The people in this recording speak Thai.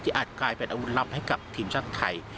อาจกลายเป็นอาวุธลับให้กับทีมชาติไทย